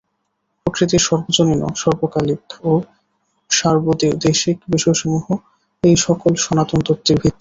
প্রকৃতির সর্বজনীন, সার্বকালিক ও সার্বদেশিক বিষয়সমূহ এই-সকল সনাতন তত্ত্বের ভিত্তি।